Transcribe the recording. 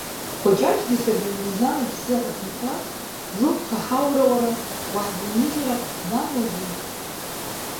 Кәаҷаҷгьы саргьы Мизан иԥсы ацымхәрас, зылԥха ҳаура уара уаҳзынижьыр замузеи?